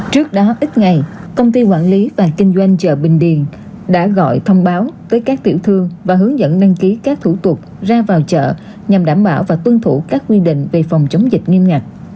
trước đó ít ngày công ty quản lý và kinh doanh chợ bình điền đã gọi thông báo tới các tiểu thương và hướng dẫn đăng ký các thủ tục ra vào chợ nhằm đảm bảo và tuân thủ các quy định về phòng chống dịch nghiêm ngặt